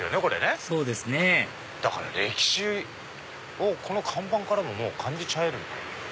そうですねだから歴史をこの看板からも感じちゃえる。